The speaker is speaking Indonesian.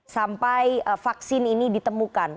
sampai vaksin ini ditemukan